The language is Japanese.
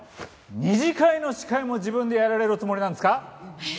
二次会の司会も自分でやられるおつもりなんですか？